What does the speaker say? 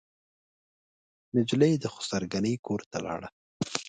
نجلۍ د خسر ګنې کورته لاړه.